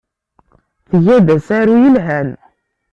Tga-d asaru yelhan.